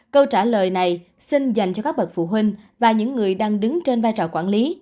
câu trả lời này xin dành cho các bậc phụ huynh và những người đang đứng trên vai trò quản lý